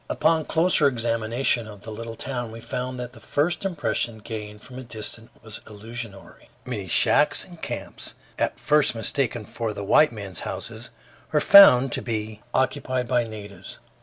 Upon closer examination of the little town we found that the first impression, gained from a distance, was illusory. Many shacks and camps, at first mistaken for the white men's houses, were found to be occupied by natives.